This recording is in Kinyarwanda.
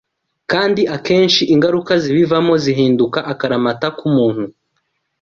kandi akenshi ingaruka zibivamo zihinduka akaramata ku muntu.